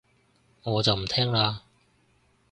我就唔聽喇